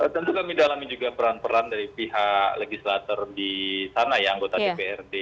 tentu kami dalami juga peran peran dari pihak legislator di sana ya anggota dprd